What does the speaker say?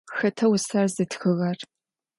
Хэта усэр зытхыгъэр?